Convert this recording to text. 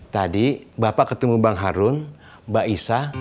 tadi bapak ketemu bang harun mbak isa